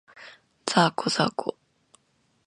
ざーこ、ざーこ